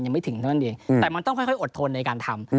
ยังไม่ถึงเท่านั้นเองแต่มันต้องค่อยอดทนในการทำ